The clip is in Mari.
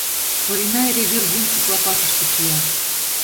Орина эре вӱр вунчык лапашыште кия.